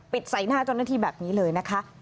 ใส่หน้าเจ้าหน้าที่แบบนี้เลยนะคะ